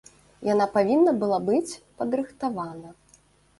Яна павінна была быць падрыхтавана!